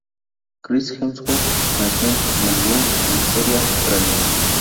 Chris Hemsworth nació en Melbourne, Victoria, Australia.